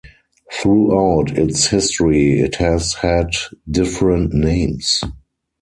Throughout its history it has had different names.